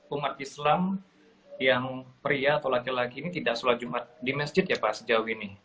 umat islam yang pria atau laki laki ini tidak sholat jumat di masjid ya pak sejauh ini